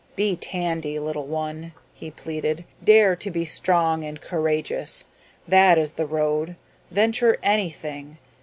"Be Tandy, little one," he pleaded. "Dare to be strong and courageous. That is the road. Venture anything.